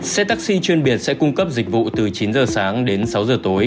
xe taxi chuyên biệt sẽ cung cấp dịch vụ từ chín h sáng đến sáu h tối